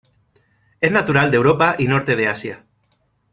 Es natural de Europa y norte de Asia.